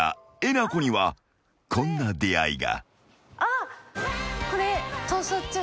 なこにはこんな出会いが］